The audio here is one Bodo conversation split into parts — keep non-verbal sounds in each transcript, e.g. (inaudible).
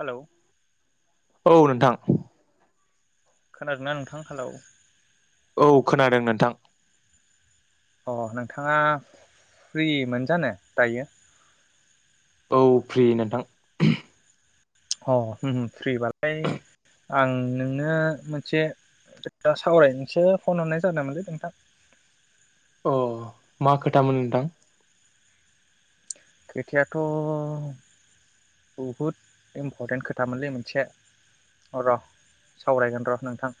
हेलौ औ नोंथां खोनादोंना नोंथां हेलौ औ खोनादों नोंथां अ नोंथाङा फ्रि मोन जानो दायो औ फ्रि नोंथां अ अम फ्रिबालाय आं नोंनो मोनसे खोथा सावरायनोसो फन हरनाय जादोंमोनलै नोंथां अ मा खोथामोन नोंथां खोथायाथ' बहुद इम्परटेन्ट खोथामोनलै मोनसे र' सावरायगोन र' नोंथां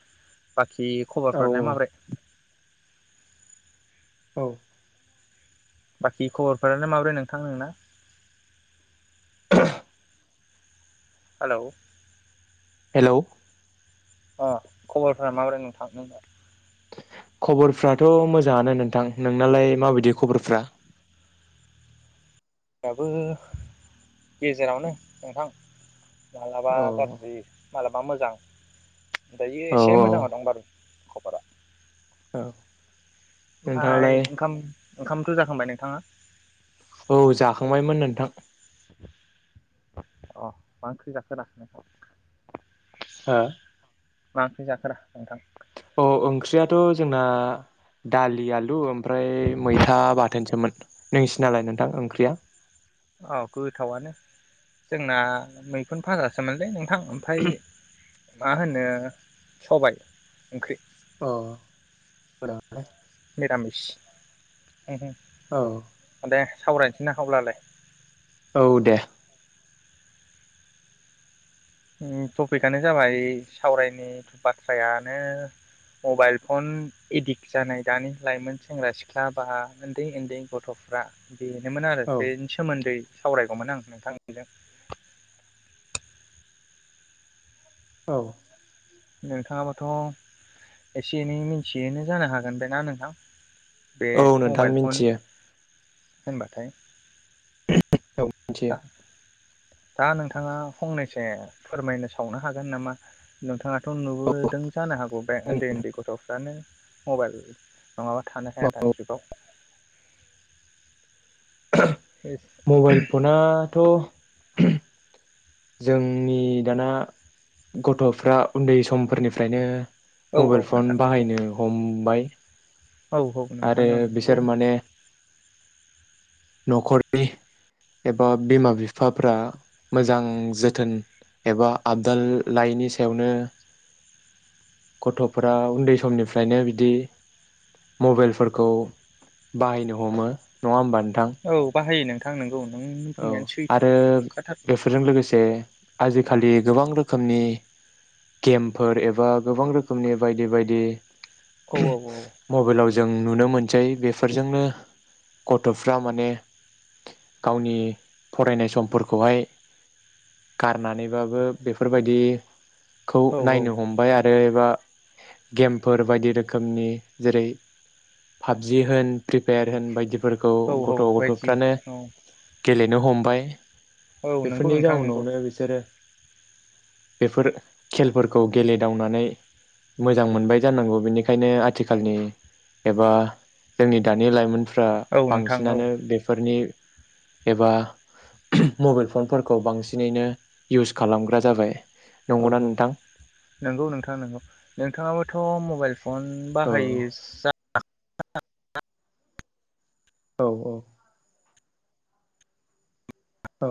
बाखि जि औ खबरफ्रालाय माब्रै औ बाखि खबरफोरालाय माबोरै नोंथां नोंना (inaudible) हेलौ हेलौ अ खबरफोरा माबोरै नोंथां नोंना खबरफ्राथ' मोजाङानो नोंथां नोंनालाय माबायदि खबरफ्रा आंनाबो गेजेरावनो नोंथां मालाबा औ गारज्रि मालाबा मोजां दायो औ एसे औ मोजाङाव दं बारु। खबरा। औ। ओमफाय नोंथाङालाय ओंखाम ओंखामथ' जाखांबाय नोंथाङा? औ जाखांबायमोन नोंथां। अ मा ओंख्रि जाखोरा नोंथां? हो? मा ओंख्रि जाखोरा नोंथां? अ ओंख्रियाथ' जोंना दालि आलु ओमफ्राय मैथा बाथोनसोमोन नोंसिनालाय नोंथां ओंख्रिया? औ गोथावनो जोंना मैखुन फाजासोमोनलै नोंथां। ओमफाय मा होनो सबाय ओंख्रि। अह मोजाङानो। निरामिस औ। दे सावरायनोसै ना अब्लालाय। औ दे। उम टपिकआनो जाबाय सावरायनाय बाथ्रायानो मबाइल फन एडिक्ट जानाय दानि लाइमोन सेंग्रा सिख्ला बा उन्दै उन्दै गथ'फ्रा। बेनोमोन आरो औ बेनि सोमोन्दै सावरायगौमोन आं नोंथांजों। औ। नोंथाङाबोथ' एसे एनै मिथियोनो जानो हागोन ना नोंथां? बे औ नोंथां मबाइल फन मिनथियो। होनबाथाय। औ दा मिनथियो। दा नोंथाङा फंनैसो फोरमायनो सावनो हागोन नामा नोंथाङा? थ' औ नुबोदों जानो हागौ बे उन्दै उन्दै गथ' फ्रनो मबाइल नङाबा थानो हाया औ दानि जुगाव। मबाइल फनाथ' (inaudible) जोंनि दाना गथ'फ्रा उन्दै समफोरनिफ्रायनो औ औ मबाइल फन नोंथां नंगौ बाहायनो हमबाय। औ औ आरो नोंथाङा नंगौ। बिसोर माने न'खरनि एबा बिमा बिफाफ्रा मोजां जोथोन एबा आबदाल लायैनि सायावनो गथ'फोरा उन्दै समनिफ्रायनो बिदि मबाइलफोरखौ बाहायनो हमो नङा होमबा नों औ बाहायो नों नोंथां नोंगौ। नों औ बुंनायानो सैथो आरो नोंखाथारगौ। बेफोरजों लोगोसे आजिखालि गोबां रोखोमनि गेमफोर एबा गोबां रोखोमनि बायदि बायदि औ औ मबाइलाव जों नुनो मोनो। बेफोरजोंनो गथ'फ्रा माने गावनि फरायनाय समफोरखौहाय गारनानैबाबो बेफोरबायदि खौ औ नायनो हमबाय आरो एबा गेमफोर बायदि रोखोमनि जेरै पाबजि होन फ्रिफायार होन बायदि फोरखौ औ औ गथ' बायदि गथ'फ्रानो औ गेलेनो हमबाय औ नंगौ बेफोरनि नोंथां नंगौ जाउनावनो बिसोरो बेफोर खेलफोरखौ गेलेदावनानै मोजां मोनबाय जानांगौ बेनिखायनो आथिखालनि एबा जोंनि दानि लाइमोन फ्रा औ नोंथां औ बांसिनानो बेफोरनि एबा मबाइल फनफोरखौ बांसिनैनो इउस खालामग्रा जाबाय। औ नंगौना औ नोंथां नंगौ नोंथाङा नोंगौ नोंथाङाबो। खौ मबाइल फन औ बाहायो जा (unintelligible) औ औ। औ।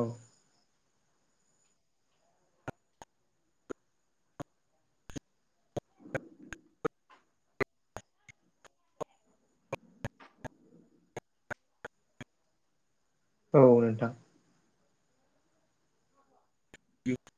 औ नोथां। म (unintelligible)